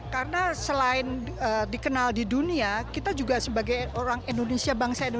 karena selain dikenal di dunia kita juga sebagai orang indonesia bangsa indonesia